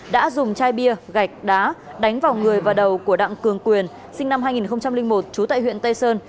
đã dùng chai bia gạch đá đánh vào người và đầu của đặng cường quyền sinh năm hai nghìn một trú tại huyện tây sơn